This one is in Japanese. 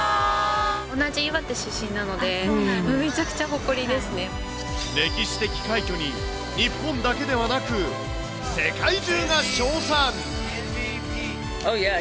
同じ岩手出身なので、歴史的快挙に、日本だけではなく、世界中が称賛。